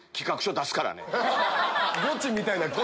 ゴチみたいな企画。